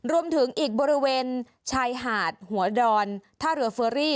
รวมถึงอีกบริเวณชายหาดหัวดอนท่าเรือเฟอรี่